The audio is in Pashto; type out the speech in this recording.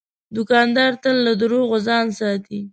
دوکاندار تل له دروغو ځان ساتي.